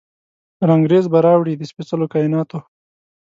رنګریز به راوړي، د سپیڅلو کائیناتو،